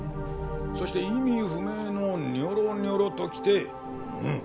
そして意味不明のにょろにょろときてム。